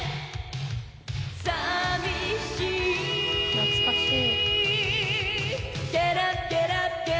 懐かしい。